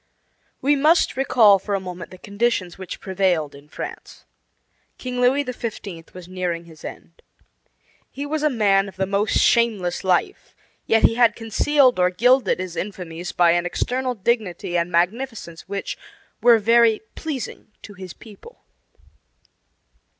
We must recall for a moment the conditions which prevailed in France. King Louis XV. was nearing his end. He was a man of the most shameless life; yet he had concealed or gilded his infamies by an external dignity and magnificence which, were very pleasing to his people.